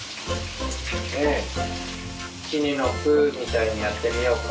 いちにのぷみたいにやってみようか。